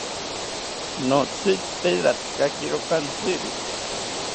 Notzitzite ratzikakiro kantziri